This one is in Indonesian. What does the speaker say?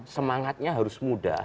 semangatnya harus muda